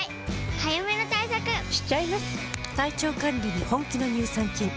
早めの対策しちゃいます。